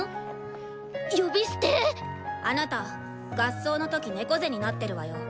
呼び捨て⁉あなた合奏の時猫背になってるわよ。